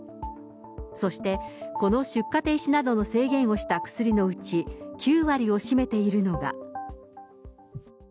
そして、この出荷停止などの制限をした薬のうち９割を占めているのが。